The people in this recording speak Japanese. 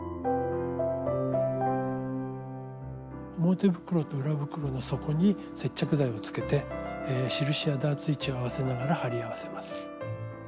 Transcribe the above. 表袋と裏袋の底に接着剤をつけて印やダーツ位置を合わせながら貼り合わせます。